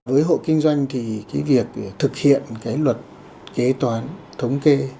với hộ kinh doanh thì cái việc thực hiện cái luật kế toán